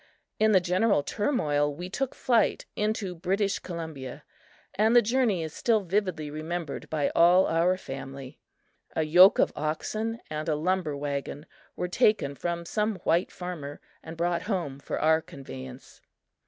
In the general turmoil, we took flight into British Columbia, and the journey is still vividly remembered by all our family. A yoke of oxen and a lumber wagon were taken from some white farmer and brought home for our conveyance.